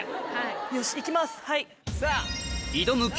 よしいきます。